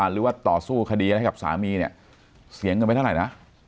หรือว่าต่อสู้คดีให้กับสามีเนี่ยเสียเงินไปเท่าไหร่นะ